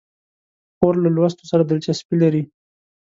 خور له لوستو سره دلچسپي لري.